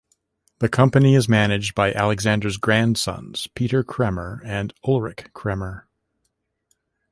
The company is managed by Alexander's grandsons, Peter Kremer, and Ulrich Kremer.